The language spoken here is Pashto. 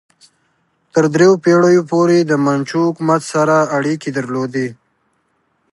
تر دریو پیړیو پورې د منچو حکومت سره اړیکې درلودې.